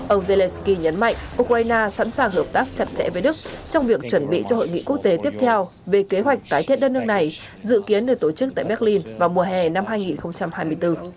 ông zelensky nhấn mạnh ukraine sẵn sàng hợp tác chặt chẽ với đức trong việc chuẩn bị cho hội nghị quốc tế tiếp theo về kế hoạch tái thiết đất nước này dự kiến được tổ chức tại berlin vào mùa hè năm hai nghìn hai mươi bốn